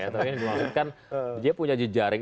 tapi di waktunya kan dia punya jejaring